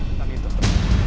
tolong batalkan pencaputan itu